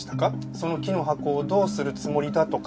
その木の箱をどうするつもりだとか。